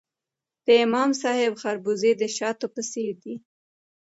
د امام صاحب خربوزې د شاتو په څیر دي.